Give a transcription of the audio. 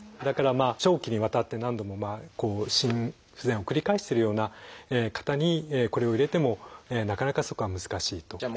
だから長期にわたって何度も心不全を繰り返してるような方にこれを入れてもなかなかそこは難しいと。